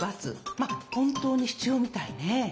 まあ本当に必要みたいね。